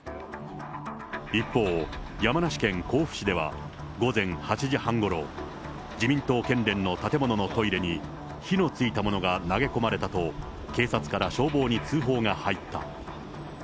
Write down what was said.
一方、山梨県甲府市では、午前８時半ごろ、自民党県連の建物のトイレに火のついたものが投げ込まれたと、警察から消防に通報が入った。